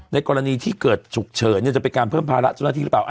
กรณีที่เกิดฉุกเฉินจะเป็นการเพิ่มภาระเจ้าหน้าที่หรือเปล่า